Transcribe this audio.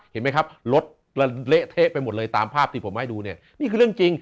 เห็นไหมครับรถเละเทะไปหมดเลยตามภาพที่ผมให้ดูเนี่ยนี่คือเรื่องจริง